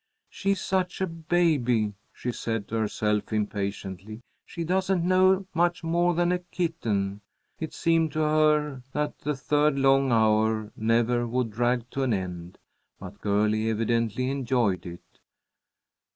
"She's such a baby," she said to herself, impatiently. "She doesn't know much more than a kitten." It seemed to her that the third long hour never would drag to an end. But Girlie evidently enjoyed it.